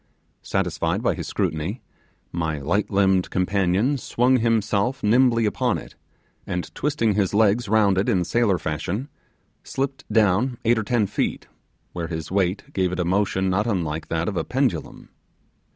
Satisfied by his scrutiny, my light limbed companion swung himself nimbly upon it, and twisting his legs round it in sailor fashion, slipped down eight or ten feet, where his weight gave it a motion not un like that of a pendulum.